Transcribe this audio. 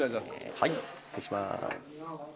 はい失礼します。